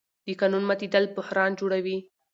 د قانون ماتېدل بحران جوړوي